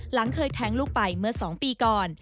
หลังเคยแท้งลูกไปเมื่อ๒ปีก่อน